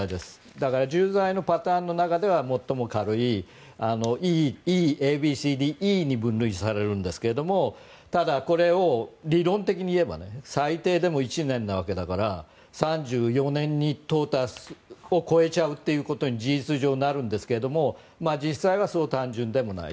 だから、重罪のパターンの中では最も軽いＥに分類されるんですけれどもただ、これを理論的にいえば最低でも１年のわけだから３４年を超えることに事実上なるんですけれども実際はそう単純でもない。